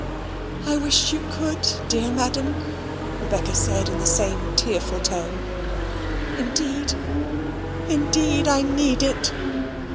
"I wish you could, dear Madam," Rebecca said in the same tearful tone. "Indeed, indeed, I need it."